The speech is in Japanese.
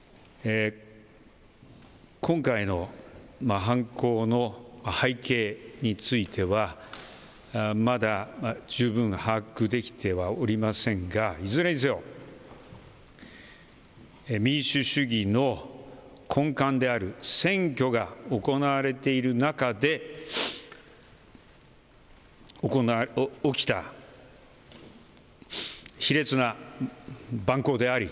今回の犯行の背景についてはまだ十分把握できてはおりませんがいずれにせよ民主主義の根幹である選挙が行われているなかで起きた卑劣な蛮行であり